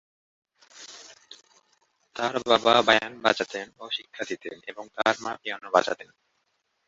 তার বাবা বায়ান বাজাতেন ও শিক্ষা দিতেন এবং তার মা পিয়ানো বাজাতেন।